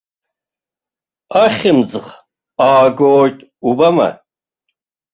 Ахьымӡӷ аагоит убама!